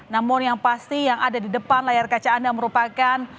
namun yang pasti yang ada di depan layar kaca anda merupakan